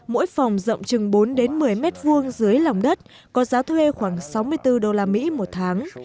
mỗi phòng rộng chừng bốn đến một mươi mét vuông dưới lòng đất có giá thuê khoảng sáu mươi bốn đô la mỹ một tháng